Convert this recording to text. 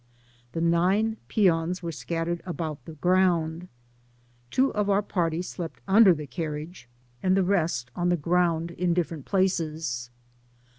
The nine pecms were scattered about the ground. Tv^o of our party slept under the carriage, and the rest on the ground in different places.